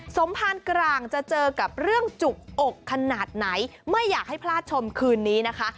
สมภารกลางจะเจอกับเรื่องจุกอกขนาดไหนไม่อยากให้พลาดชมคืนนี้นะคะ